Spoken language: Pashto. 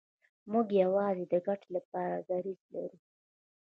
موږ یوازې د ګټې لپاره دریځ لرو.